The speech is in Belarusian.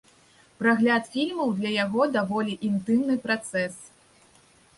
Прагляд фільмаў для яго даволі інтымны працэс.